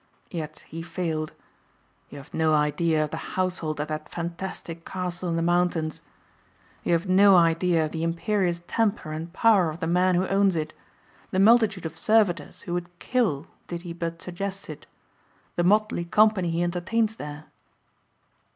Yet he failed. You have no idea of the household at that fantastic castle in the mountains. You have no idea of the imperious temper and power of the man who owns it, the multitude of servitors who would kill did he but suggest it, the motley company he entertains there."